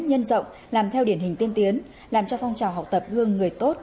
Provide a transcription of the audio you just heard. nhân rộng làm theo điển hình tiên tiến làm cho phong trào học tập hương người tốt